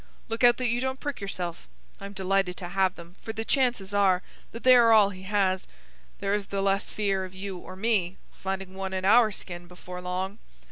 "Look out that you don't prick yourself. I'm delighted to have them, for the chances are that they are all he has. There is the less fear of you or me finding one in our skin before long.